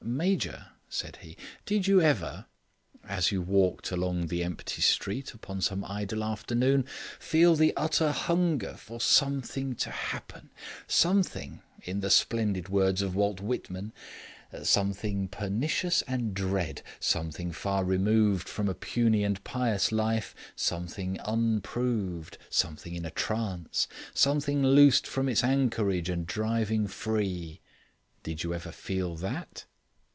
"Major," said he, "did you ever, as you walked along the empty street upon some idle afternoon, feel the utter hunger for something to happen something, in the splendid words of Walt Whitman: 'Something pernicious and dread; something far removed from a puny and pious life; something unproved; something in a trance; something loosed from its anchorage, and driving free.' Did you ever feel that?"